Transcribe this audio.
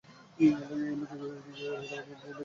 এই লোকটিকে তিনি ঠিক বুঝতে পারছেন না।